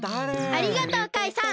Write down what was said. ありがとうカイさん！